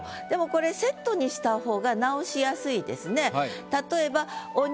でもこれセットにしたほうが直しやすいですね。